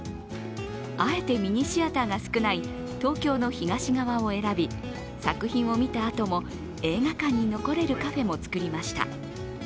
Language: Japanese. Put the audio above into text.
あえてミニシアターが少ない東京の東側を選び、作品を見たあとも映画館に残れるカフェも作りました。